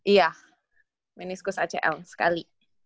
iya meniscus atyel sekali